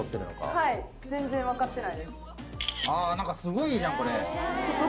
あ何かすごいいいじゃんこれ。